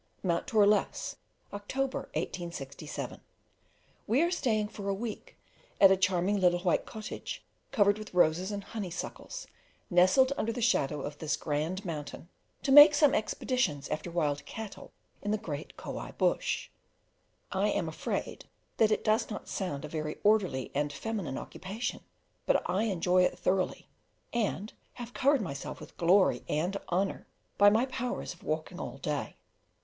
Mount Torlesse, October 1867. We are staying for a week at a charming little white cottage covered with roses and honeysuckles, nestled under the shadow of this grand mountain, to make some expeditions after wild cattle in the great Kowai Bush. I am afraid that it does not sound a very orderly and feminine occupation, but I enjoy it thoroughly, and have covered myself with glory and honour by my powers of walking all day.